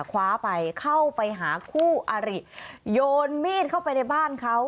คว้าไปเข้าไปหาคู่อริโยนมีดเข้าไปในบ้านเขา